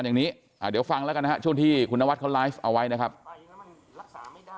กูยังต้องเยี่ยวอยู่กับที่อ่ะมึงเป็นหมอแห่งสวยแบบไหน